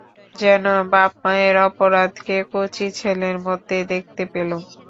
যেন বাপমায়ের অপরাধকে কচি ছেলের মধ্যে দেখতে পেলুম।